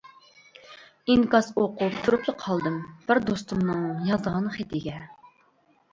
ئىنكاس ئۇقۇپ تۇرۇپلا قالدىم، بىر دوستۇمنىڭ يازغان خېتىگە.